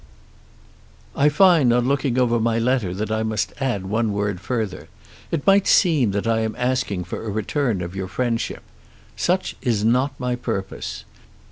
I find on looking over my letter that I must add one word further. It might seem that I am asking for a return of your friendship. Such is not my purpose.